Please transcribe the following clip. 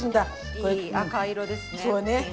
いい赤色ですね。